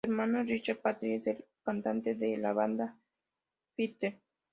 Su hermano Richard Patrick es el cantante de la banda Filter.